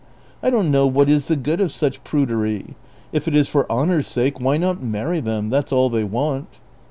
I don't know what is the good of such prudery ; if it is for honor's sake, why not marry them ? That 's all they want."